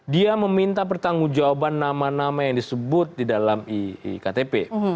dia meminta pertanggung jawaban nama nama yang disebut di dalam iktp